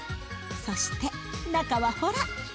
そして中はほら！